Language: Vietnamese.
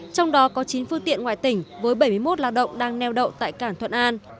trong đó có chín phương tiện ngoài tỉnh với bảy mươi một lao động đang neo đậu tại cảng thuận an